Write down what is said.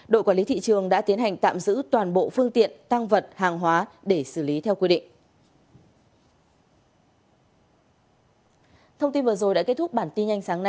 đội quản lý thị trường đã tiến hành tạm giữ toàn bộ phương tiện tăng vật hàng hóa để xử lý theo quy định